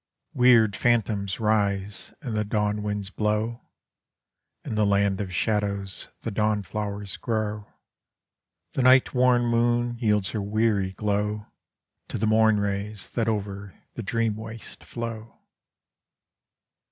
Weird ohantoms rise in the dawn wind's blow, In the land of shadows the dawn flowers grow; The night wom moon yields her weary glow To the morn rays that over the dream waste flow.